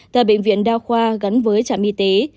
tại bệnh viện đa khoa gắn với trạm y tế